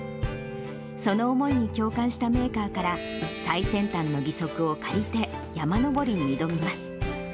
その思いに共感したメーカーから、最先端の義足を借りて、山登りに挑みます。